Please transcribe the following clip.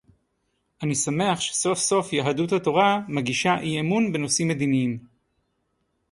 אני שמח שסוף-סוף יהדות התורה מגישה אי-אמון בנושאים מדיניים